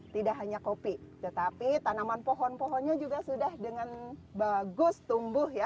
tidak hanya kopi tetapi tanaman pohon pohonnya juga sudah dengan bagus tumbuh ya